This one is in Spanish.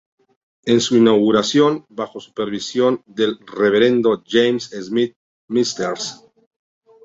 En su inauguración, bajo supervisión del Reverendo James Smith, Mr.